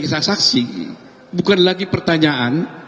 kita saksi bukan lagi pertanyaan